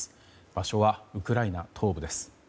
場所はウクライナ東部です。